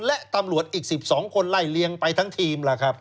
และตำรวจอีก๑๒คนไล่เลี้ยงไปทั้งทีมล่ะครับ